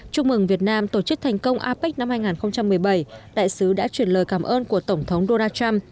chúc mừng việt nam tổ chức thành công apec năm hai nghìn một mươi bảy đại sứ đã truyền lời cảm ơn của tổng thống donald trump